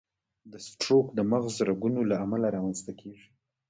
د سټروک د مغز رګونو له امله رامنځته کېږي.